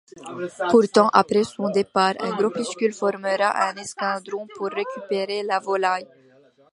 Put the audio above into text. Pourtant, après son départ, un groupuscule formera un escadron pour récupérer la volaille.